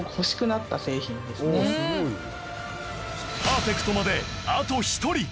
パーフェクトまであと１人